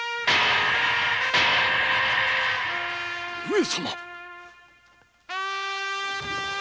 上様！？